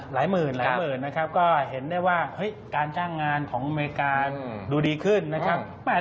หลายหมื่นก็เห็นได้ว่าการจ้างงานของอเมริกาดูดีขึ้นนะครับ